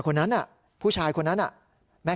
ค้าเป็นผู้ชายชาวเมียนมา